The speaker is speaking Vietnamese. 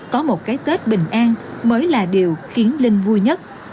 có một cái tết bình an mới là điều khiến linh vui nhất